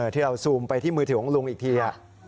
ซูมไปที่มือถือของลุงอีกที